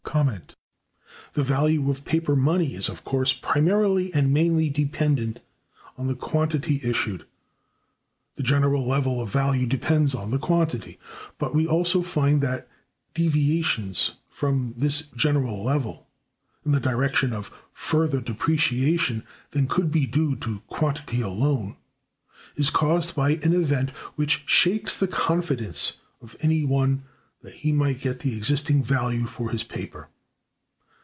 The value of paper money is, of course, primarily and mainly dependent on the quantity issued. The general level of value depends on the quantity; but we also find that deviations from this general level, in the direction of further depreciation than could be due to quantity alone, is caused by any event which shakes the confidence of any one that he may get the existing value for his paper.